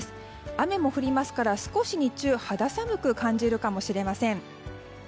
雨も降りますから、少し日中肌寒く感じるかもしれません。